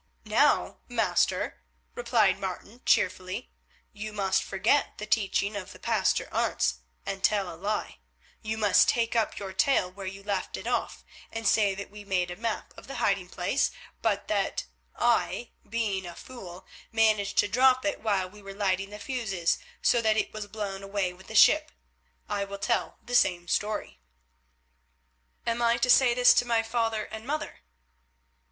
"Now, master," replied Martin cheerfully, "you must forget the teaching of the Pastor Arentz, and tell a lie. You must take up your tale where you left it off, and say that we made a map of the hiding place, but that—I—being a fool—managed to drop it while we were lighting the fuses, so that it was blown away with the ship. I will tell the same story." "Am I to say this to my father and mother?"